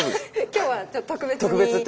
今日は特別に！